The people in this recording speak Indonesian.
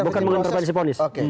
bukan mengintervensi ponis